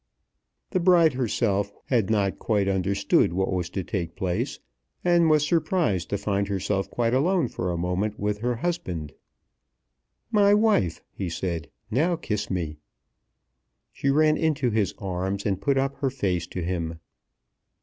The bride herself had not quite understood what was to take place, and was surprised to find herself quite alone for a moment with her husband. "My wife," he said; "now kiss me." She ran into his arms and put up her face to him.